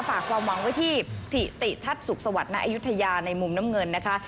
ฝากความหวังไว้ที่ถิติทัศน์สุขสวัสดิณอายุทยาในมุมน้ำเงินนะคะ